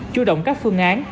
chú động các phương án